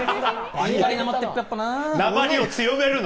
なまりを強めるな。